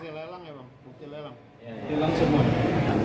bukti lelang ya bang bukti lelang